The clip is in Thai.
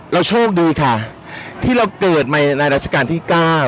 เราโชคดีค่ะที่เราเกิดไปในรัชกันที่๙